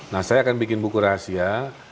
nah saya akan bikin buku rahasia